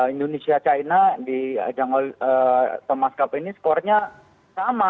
indonesia china di ajang thomas cup ini skornya sama